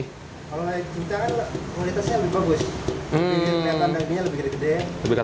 kalau pakai cinta kan kualitasnya lebih bagus